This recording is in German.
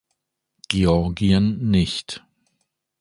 Georgien nicht.